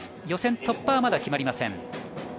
予選突破はまだ決まりません。